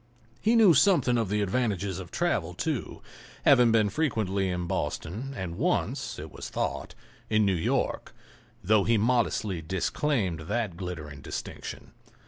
He knew something of the advantages of travel, too, having been frequently in Boston, and once, it was thought, in New York, though he modestly disclaimed that glittering distinction.